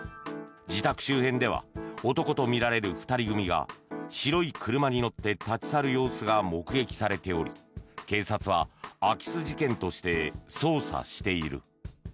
自宅周辺では男とみられる２人組が白い車に乗って立ち去る様子が目撃されており警察は空き巣事件として捜査している。